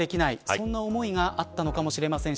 そんな思いがあったのかもしれません。